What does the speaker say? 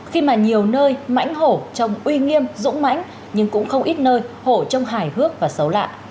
khi mà nhiều nơi mảnh hổ trong uy nghiêm rỗng mảnh nhưng cũng không ít nơi hổ trong hài hước và xấu lạ